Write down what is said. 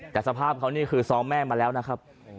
แต่สภาพเขานี่คือซ้อมแม่มาแล้วนะครับ